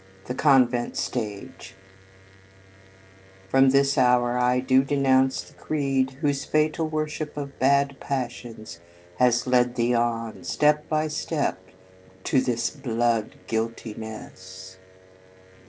The Convent Stage FROM this hour I do renounce the creed whose fatal worship of bad passions has led thee on, step by step, to this blood guilti ness!"